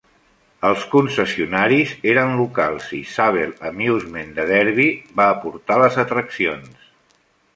Els concessionaris eren locals i Zabel Amusements de Derby va aportar les atraccions.